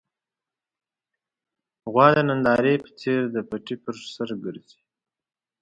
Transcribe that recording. غوا د نندارې په څېر د پټي پر سر ګرځي.